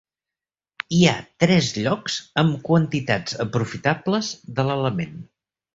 Hi ha tres llocs amb quantitats aprofitables de l'element.